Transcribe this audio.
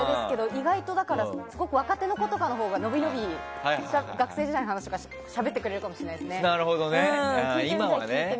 意外と若手の子とかのほうがのびのび学生時代の話とかしゃべってくれるかもしれないですね。